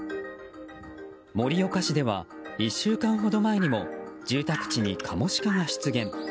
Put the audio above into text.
盛岡市では１週間ほど前にも住宅地にカモシカが出現。